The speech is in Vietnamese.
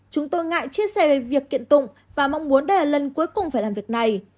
chúng tôi ngại chia sẻ việc kiện tụng và mong muốn đây là lần cuối cùng phải làm việc này